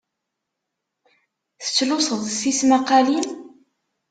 Tettluseḍ tismaqalin?